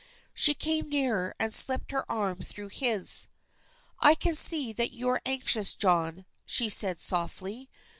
She came nearer and slipped her arm through his. "I can see that you are anxious, John," she said softly.